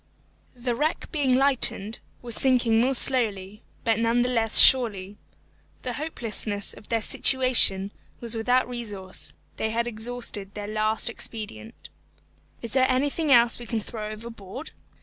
The wreck being lightened, was sinking more slowly, but none the less surely. The hopelessness of their situation was without resource without mitigation; they had exhausted their last expedient. "Is there anything else we can throw overboard?"